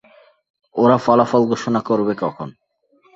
ওরা ফলাফল ঘোষণা করবে কখন?